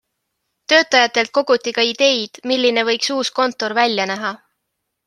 Töötajatelt koguti ka ideid, milline võiks uus kontor välja näha.